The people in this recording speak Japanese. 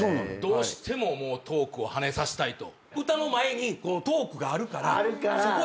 どうしてもトークをはねさしたいと。